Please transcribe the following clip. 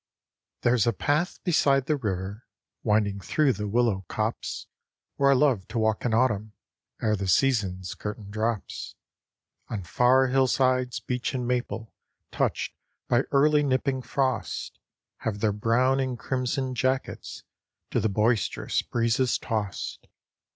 There's a path beside the river, Winding through the willow copse Where I love to walk in autumn Ere the season's curtain drops. On far hillsides beech and maple, Touched by early nipping frost, Have their brown and crimson jackets To the boisterous breezes tossed.